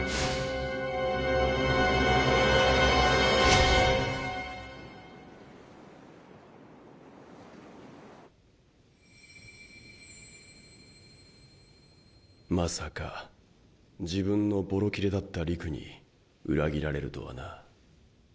現在まさか自分の襤褸切れだった理玖に裏切られるとはな。